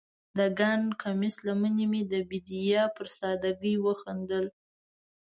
د ګنډ کمیس لمنې مې د بیدیا پر سادګۍ وخندل